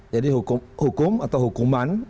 jadi hukum atau hukuman